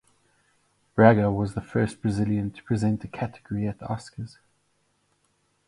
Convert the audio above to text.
Braga was the first Brazilian to present a category at the Oscars.